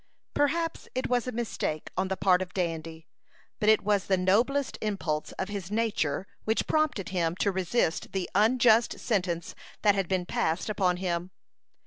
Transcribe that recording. Perhaps it was a mistake on the part of Dandy, but it was the noblest impulse of his nature which prompted him to resist the unjust sentence that had been passed upon him.